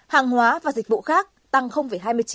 hàng hóa và dịch vụ khác tăng hai mươi chín